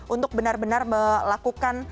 untuk benar benar melakukan